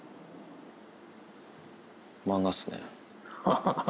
漫画っすね。